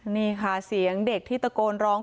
นี่ค่ะเสียงเด็กที่ตะโกนร้อง